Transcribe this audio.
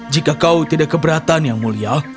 jika kau tidak keberatan yang mulia